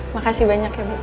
makasih banyak ya bu